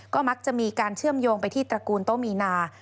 ก็มักจะมีการเชื่อมโยงไปที่ตระกูลโตมีนา